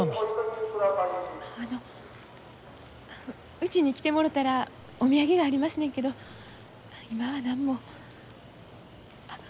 うちに来てもろたらお土産がありますねんけど今は何もあっ。